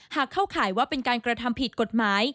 เข้าข่ายว่าเป็นการกระทำผิดกฎหมาย